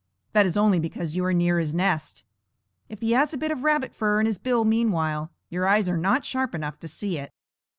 That is only because you are near his nest. If he has a bit of rabbit fur in his bill meanwhile, your eyes are not sharp enough to see it.